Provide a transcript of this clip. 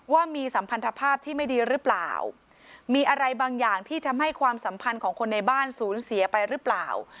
ว่ามีสัมพันธภาพที่ไม่ดีหรือเปล่ามีอะไรบางอย่างที่ทำให้ความสัมพันธ์ของคนในบ้านศูนย์เสียไปหรือเปล่า